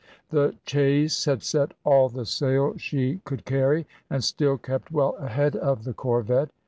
The chase had set all the sail she could carry, and still kept well ahead of the corvette.